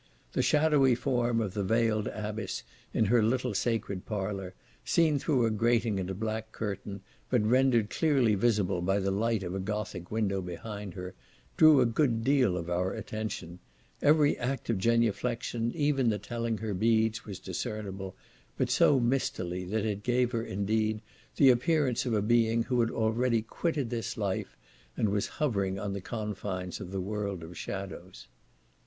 The shadowy form of the veiled abbess in her little sacred parlour, seen through a grating and a black curtain, but rendered clearly visible by the light of a Gothic window behind her, drew a good deal of our attention; every act of genuflection, even the telling her beads, was discernible, but so mistily that it gave her, indeed, the appearance of a being who had already quitted this life, and was hovering on the confines of the world of shadows.